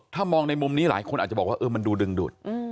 ถ้ามองในมุมนี้หลายคนอาจจะบอกว่ามันดูดึงดูด